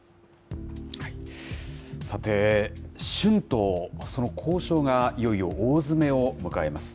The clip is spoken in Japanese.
さて、春闘、その交渉がいよいよ大詰めを迎えます。